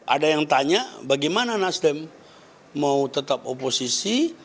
ada yang tanya bagaimana nasdem mau tetap oposisi